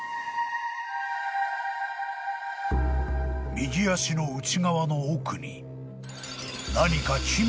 ［右足の内側の奥に何か］